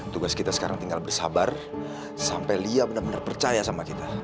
tugas kita sekarang tinggal bersabar sampai lia benar benar percaya sama kita